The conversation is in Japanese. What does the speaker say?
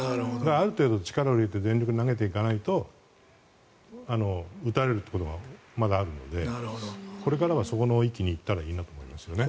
ある程度、力を入れて全力で投げていかないと打たれるということがまだあるのでこれからはそこの域に行ったらいいなと思いますよね。